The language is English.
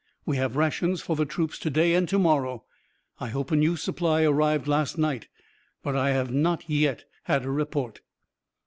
We have rations for the troops to day and to morrow. I hope a new supply arrived last night, but I have not yet had a report.